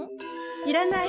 いらない。